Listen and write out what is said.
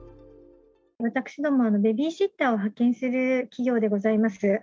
私ども、ベビーシッターを派遣する企業でございます。